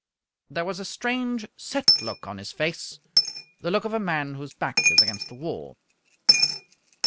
There was a strange, set look on his face the look of a man whose back is against the wall.